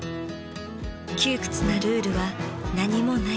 窮屈なルールは何もない。